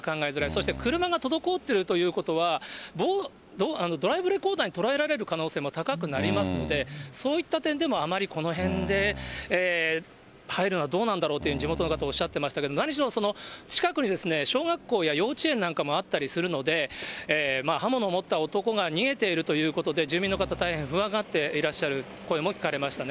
そして車が滞っているということは、ドライブレコーダーに捉えられる可能性も高くなりますので、そういった点でも、あまりこの辺で入るのはどうなんだろうというふうに、地元の方はおっしゃってましたけれども、なにしろ、近くに小学校や幼稚園なんかもあったりするので、刃物を持った男が逃げているということで、住民の方、大変不安がっていらっしゃるという声も聞かれましたね。